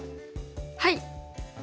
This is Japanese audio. はい！